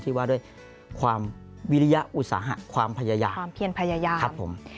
ที่ว่าด้วยความวิริยะอุตสาหะความพยายาม